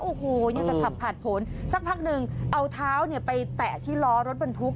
โอ้โหยังจะขับผ่านผลสักพักหนึ่งเอาเท้าเนี่ยไปแตะที่ล้อรถบรรทุก